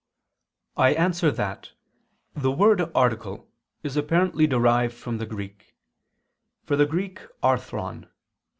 I answer that, the word "article" is apparently derived from the Greek; for the Greek arthron [*Cf.